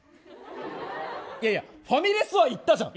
いやいや、ファミレスは行ったじゃん。